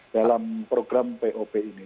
dalam program pop ini